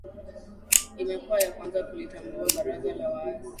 imekuwa ya kwanza kulitambuwa baraza la waasi